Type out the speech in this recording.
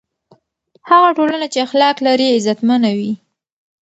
هغه ټولنه چې اخلاق لري، عزتمنه وي.